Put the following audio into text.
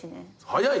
早い。